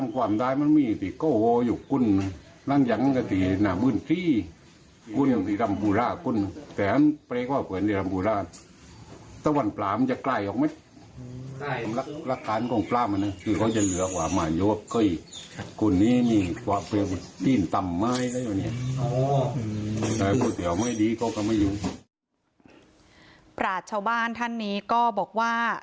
คนนี้มีความเชื่อของศาสนาปราชาวบ้านท่านนี้ก็บอกว่า